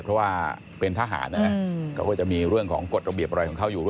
เพราะว่าเป็นทหารก็จะมีกฏระเบียบเข้าอยู่